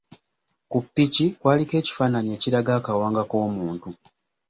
Ku ppiki kwaliko ekifaananyi ekiraga akawanga k’omuntu.